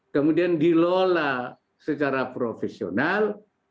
kemudian dilola secara profesional